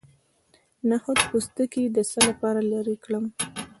د نخود پوستکی د څه لپاره لرې کړم؟